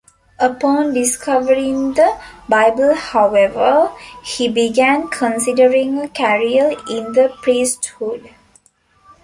Upon discovering the Bible however, he began considering a career in the priesthood.